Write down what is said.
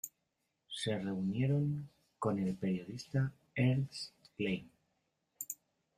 Se reunieron con el periodista Ernst Klein.